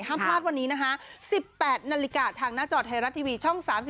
ห้ามพลาดวันนี้นะคะ๑๘นาฬิกาทางหน้าจอไทยรัฐทีวีช่อง๓๒